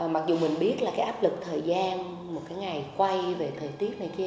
mặc dù mình biết là cái áp lực thời gian một cái ngày quay về thời tiết này kia